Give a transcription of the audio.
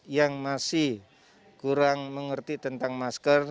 yang masih kurang mengerti tentang masker